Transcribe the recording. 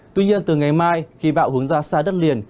tuy nhiên từ ngày mai khi bão hướng ra xa đất liền